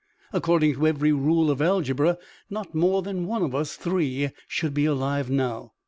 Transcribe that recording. According to every rule of algebra, not more than one of us three should be alive now.